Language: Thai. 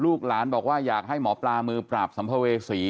ลูกหลานบอกว่าอยากให้หมอปลามือปราบสัมภเวษี